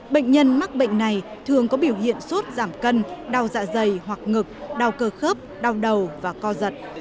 bệnh nhân mắc bệnh này thường có biểu hiện sốt giảm cân đau dạ dày hoặc ngực đau cơ khớp đau đầu và co giật